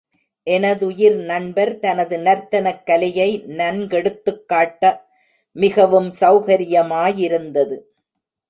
இது எனதுயிர் நண்பர் தனது நர்த்தனக் கலையை, நன்கெடுத்துக் காட்ட மிகவும் சௌகரியமாயிருந்தது.